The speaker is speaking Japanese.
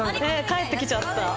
帰ってきちゃった。